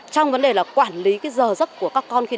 trong vấn đề là quản lý giờ giấc của các con